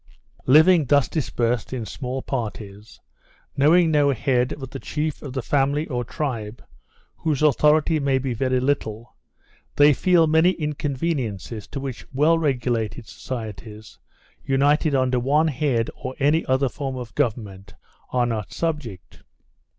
Living thus dispersed in small parties, knowing no head but the chief of the family or tribe, whose authority may be very little, they feel many inconveniences, to which well regulated societies, united under one head or any other form of government, are not subject.